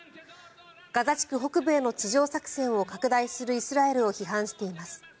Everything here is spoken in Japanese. ガザ地区北部への地上作戦を拡大するイスラエルを批判しています。